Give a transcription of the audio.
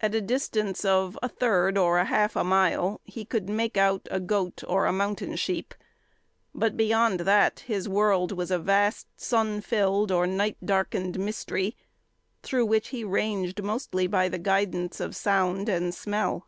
At a distance of a third or a half a mile he could make out a goat or a mountain sheep, but beyond that his world was a vast sun filled or night darkened mystery through which he ranged mostly by the guidance of sound and smell.